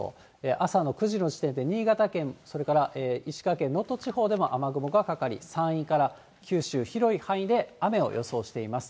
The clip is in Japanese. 朝の９時の時点で新潟県、それから石川県能登地方でも雨雲がかかり、山陰から九州、広い範囲で雨を予想しています。